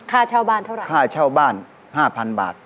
ค่าเช่าบ้านเท่าไรครับค่าเช่าบ้าน๕๐๐๐บาท